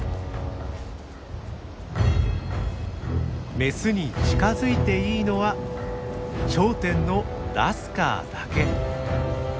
メスに近づいていいのは頂点のラスカーだけ。